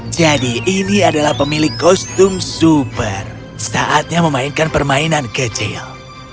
jadi ini adalah pemilik kostum super saatnya memainkan permainan kecil